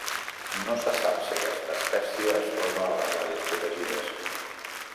No se sap si aquesta espècie es troba a les àrees protegides.